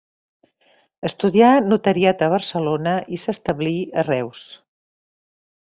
Estudià notariat a Barcelona i s'establí a Reus.